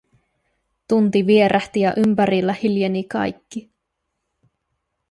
Tunti vierähti ja ympärillä hiljeni kaikki.